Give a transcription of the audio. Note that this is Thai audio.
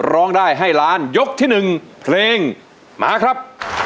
ร้องได้ให้ล้านยกที่๑เพลงมาครับ